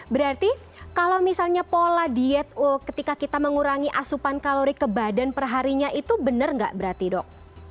berarti kalau misalnya pola diet ketika kita mengurangi asupan kalori ke badan perharinya itu benar nggak berarti dok